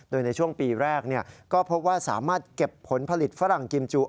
โดยในช่วงปีแรกก็พบว่าสามารถเก็บผลผลิตฝรั่งกิมจู